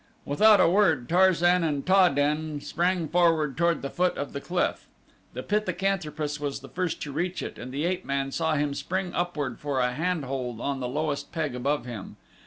Without a word Tarzan and Ta den sprang forward toward the foot of the cliff. The pithecanthropus was the first to reach it and the ape man saw him spring upward for a handhold on the lowest peg above him.